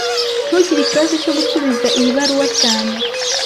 Ntugire ikibazo cyo gusubiza iyi baruwa cyane